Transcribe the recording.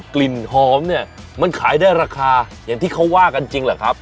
กลิ่นหอมเนี่ยมันขายได้ราคาอย่างที่เขาว่ากันจริงเหรอครับ